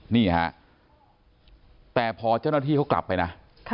นี่ฮะแต่พอเจ้าหน้าที่เขากลับไปนะ